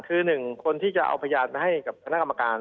คือหนึ่งคนที่จะเอาพยานไปให้กับคณะกรรมการ